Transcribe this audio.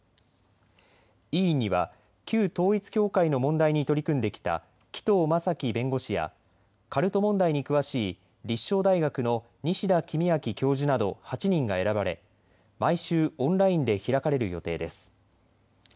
委員には旧統一教会の問題に取り組んできた紀藤正樹弁護士やカルト問題に詳しい立正大学の西田公昭教授など８人が選ばれ毎週オンラインで開かれる予定です。